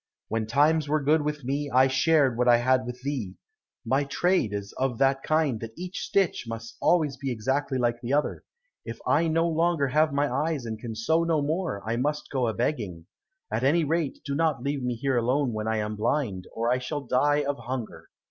When times were good with me, I shared what I had with thee. My trade is of that kind that each stitch must always be exactly like the other. If I no longer have my eyes and can sew no more I must go a begging. At any rate do not leave me here alone when I am blind, or I shall die of hunger."